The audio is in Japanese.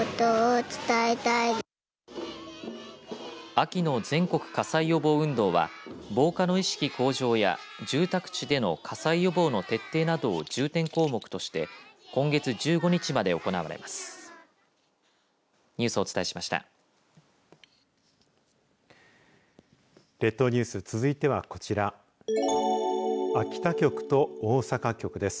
秋の全国火災予防運動は防火の意識向上や住宅地での火災予防の徹底などを重点項目として今月１５日まで行われます。